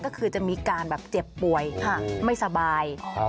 ก็คือจะมีการแบบเจ็บป่วยไม่สบาย